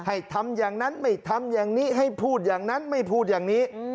ให้ทำอย่างนั้นไม่ทำอย่างนี้ให้พูดอย่างนั้นไม่พูดอย่างนี้